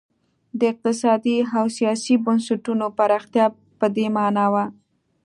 د اقتصادي او سیاسي بنسټونو پراختیا په دې معنا وه.